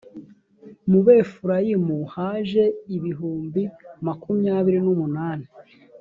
mu befurayimu haje ibihumbi makumyabiri n umunani